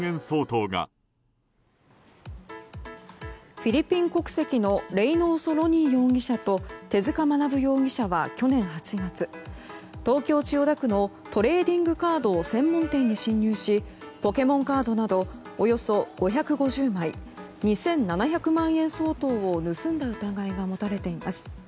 フィリピン国籍のレイノーソ・ロニー容疑者と手塚学容疑者は、去年８月東京・千代田区のトレーディングカード専門店に侵入しポケモンカードなどおよそ５５０枚２７００万円相当を盗んだ疑いが持たれています。